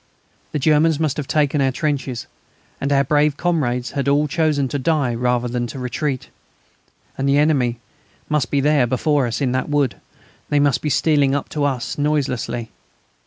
The Germans must have taken our trenches, and our brave comrades had all chosen to die rather than to retreat. And the enemy must be there before us, in that wood; they must be stealing up to us noiselessly.